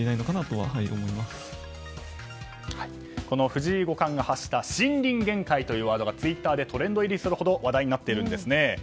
この藤井五冠が発した森林限界というワードがツイッターでトレンド入りするほど話題になっているんですね。